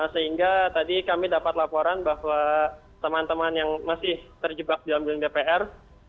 sehingga tadi kami dapat laporan bahwa teman teman yang masih terjebak di dalam gedung dpr